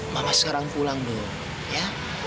malah sekarang pulang dulu ya